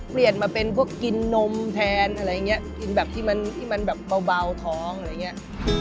เปลี่ยนมาเป็นพวกกินนมแทนอะไรอย่างนี้กินแบบที่มันแบบเบาท้องอะไรอย่างนี้